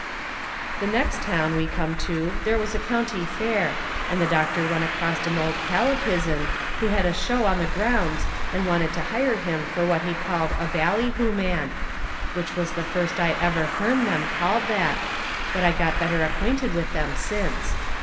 The next town we come to there was a county fair, and the doctor run acrost an old pal of his'n who had a show on the grounds and wanted to hire him fur what he called a ballyhoo man. Which was the first I ever hearn them called that, but I got better acquainted with them since.